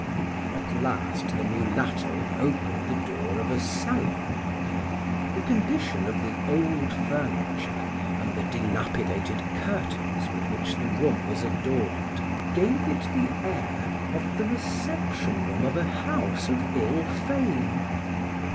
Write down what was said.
At last the mulatto opened the door of a salon. The condition of the old furniture and the dilapidated curtains with which the room was adorned gave it the air of the reception room of a house of ill fame.